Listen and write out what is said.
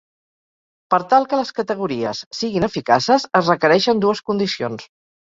Per tal que les categories siguin eficaces es requereixen dues condicions.